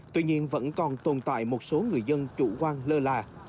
tuy nhiên vẫn còn tồn tại một số người dân chủ quan lơ là